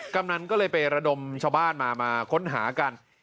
กำนันก็เลยไประดมชาวบ้านมามาค้นหากัน